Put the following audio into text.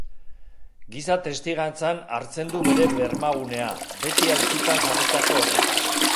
Giza testigantzan hartzen du bere bermagunea, beti auzitan jarritako horretan.